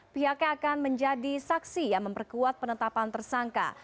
pihaknya akan menjadi saksi yang memperkuat penetapan tersangka